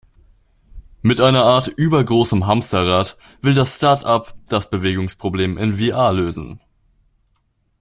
Mit einer Art übergroßem Hamsterrad, will das Startup das Bewegungsproblem in VR lösen.